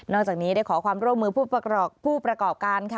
นอกจากนี้ได้ขอความร่วมมือผู้ประกอบการ